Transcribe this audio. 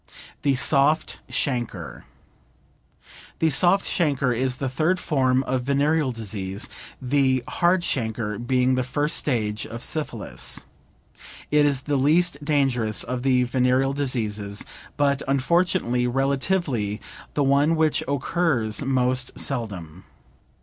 THE SOFT CHANCRE The soft chancre is the third form of venereal disease (the hard chancre being the first stage of syphilis). It is the least dangerous of the venereal diseases, but unfortunately, relatively the one which occurs most seldom.